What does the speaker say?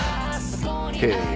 へえ。